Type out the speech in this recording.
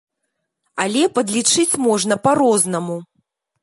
Але падлічыць можна па-рознаму.